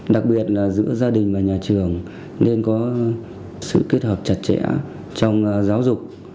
đặc biệt là giữa gia đình và nhà trường nên có sự kết hợp chặt chẽ trong giáo dục